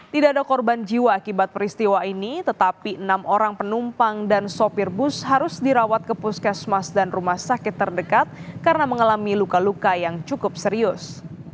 tidak ada korban jiwa akibat peristiwa ini tetapi enam orang penumpang dan sopir bus harus dirawat ke puskesmas dan rumah sakit terdekat karena mengalami luka luka yang cukup serius